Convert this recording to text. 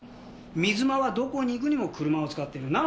水間はどこに行くにも車を使ってる。